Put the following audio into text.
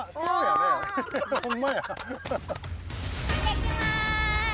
いってきます。